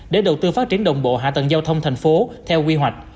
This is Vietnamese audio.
để đầu tư phát triển đồng bộ hạ tầng giao thông thành phố theo quy hoạch